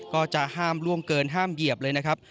ก็จะห้ามล่วงเกินห้ามเหยียบเลยนะครับ